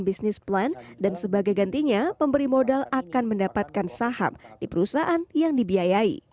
bisnis plan dan sebagai gantinya pemberi modal akan mendapatkan saham di perusahaan yang dibiayai